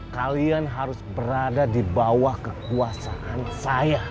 kalian harus berada di bawah kekuasaan saya